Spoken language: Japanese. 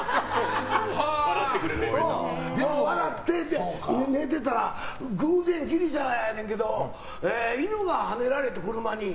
で、寝てたら偶然、ギリシャやねんけど犬がはねられて、車に。